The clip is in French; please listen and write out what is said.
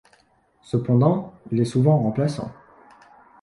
Cependant, il est souvent remplaçant.